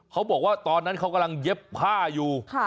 เขาบอกว่าตอนนั้นเขากำลังเย็บผ้าอยู่